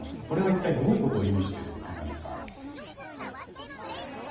これは一体どういうことを意味していると考えますか？